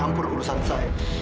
bukan perurusan saya